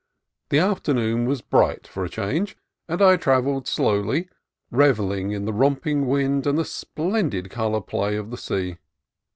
The afternoon was bright, for a change, and I travelled slowly, revel ling in the romping wind and the splendid color play of the sea.